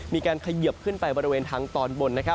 มีการขยับขึ้นไปบริเวณทางตอนบน